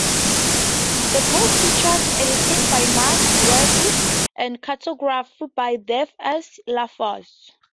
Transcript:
The book features editing by Mike Breault, and cartography by Dave S. LaForce.